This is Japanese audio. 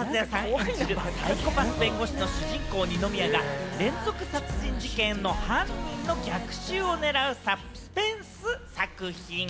演じる、サイコパス弁護士の二宮が連続殺人事件の犯人への逆襲を狙うサスペンス作品。